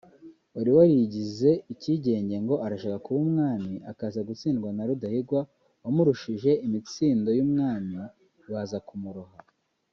wari warigize icyigenge ngo arashaka kuba umwami akaza gutsindwa na Rudahigwa wamurushije imitsindo y’umwami baza kumuroha